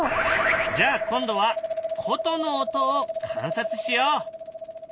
じゃあ今度はことの音を観察しよう。